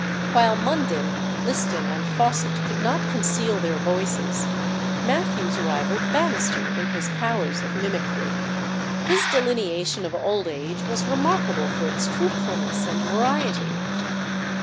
While Munden, Liston, and Fawcett could not conceal their voices, Mathews rivalled Bannister in his powers of mimicry. His delineation of old age was remarkable for its truthfulness and variety.